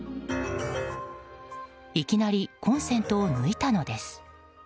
いきなりコンセントを抜いたのです。